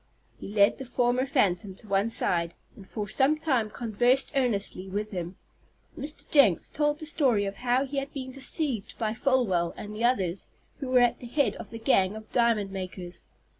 He led the former phantom to one side, and for some time conversed earnestly with him. Mr. Jenks told the story of how he had been deceived by Folwell and the others who were at the head of the gang of diamond makers.